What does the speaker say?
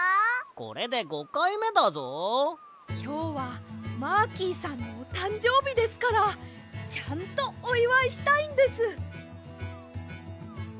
きょうはマーキーさんのおたんじょうびですからちゃんとおいわいしたいんです！